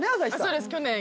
そうです去年。